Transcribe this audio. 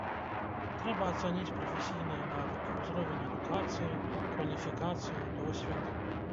Трэба ацаніць прафесійныя навыкі, узровень адукацыі, кваліфікацыю, досвед.